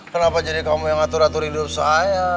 kenapa jadi kamu yang atur atur hidup saya